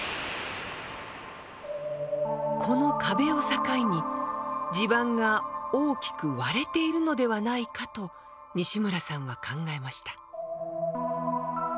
この壁を境に地盤が大きく割れているのではないかと西村さんは考えました。